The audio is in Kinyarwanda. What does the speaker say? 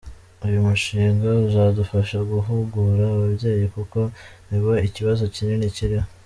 Uyu mushinga uzadufasha guhugura ababyeyi kuko nibo ikibazo kinini kiriho.